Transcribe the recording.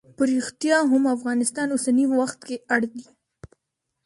په ریښتیا هم افغانستان اوسنی وخت کې اړ دی.